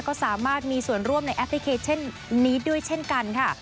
ก็สามารถมีส่วนร่วมในแอปพลิเคชันนี้ด้วยเช่นกันค่ะ